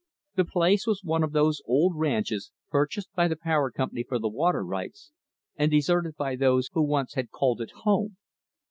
The place was one of those old ranches, purchased by the Power Company for the water rights, and deserted by those who once had called it home.